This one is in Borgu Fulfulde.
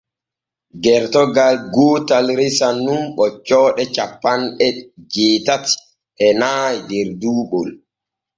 Gertogal gootal resan nun ɓoccooɗe cappanɗe jeetati e nay der duuɓol.